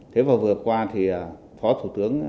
thế vào vừa qua thì phó thủ tướng